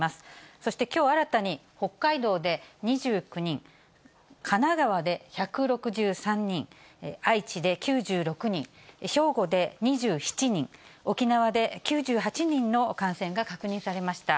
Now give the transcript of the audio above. そしてきょう新たに、北海道で２９人、神奈川で１６３人、愛知で９６人、兵庫で２７人、沖縄で９８人の感染が確認されました。